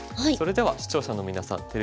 それでは視聴者の皆さん